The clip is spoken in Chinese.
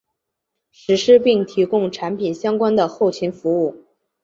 实施并提供产品相关的后勤服务。